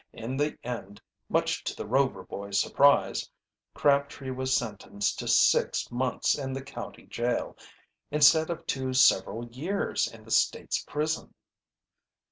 In the end, much to the Rover boys' surprise, Crabtree was sentenced to six months in the county jail, instead of to several years in the State's prison.